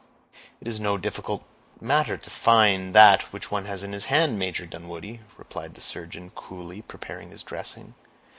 "It's no difficult matter to find that which one has in his hand, Major Dunwoodie," replied the surgeon, coolly, preparing his dressings.